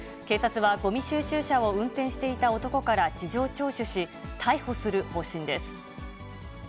警察はごみ収集車を運転していた男から事情聴取し、逮捕する方針です。